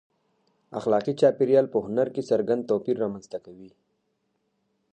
اخلاقي چاپېریال په هنر کې څرګند توپیر رامنځته کوي.